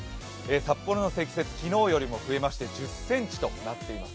札幌の積雪、昨日よりも増えまして１０ｃｍとなっています。